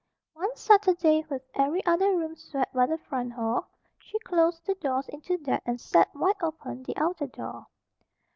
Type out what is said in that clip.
One Saturday, with every other room swept but the front hall, she closed the doors into that, and set wide open the outer door.